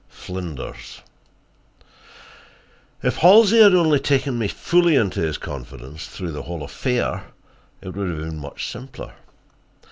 FLINDERS If Halsey had only taken me fully into his confidence, through the whole affair, it would have been much simpler.